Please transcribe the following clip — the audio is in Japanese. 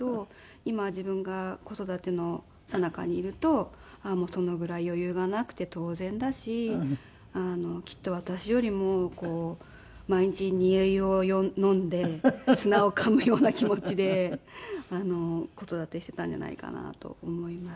今自分が子育てのさなかにいるとそのぐらい余裕がなくて当然だしきっと私よりも毎日煮え湯を飲んで砂をかむような気持ちで子育てしていたんじゃないかなと思います。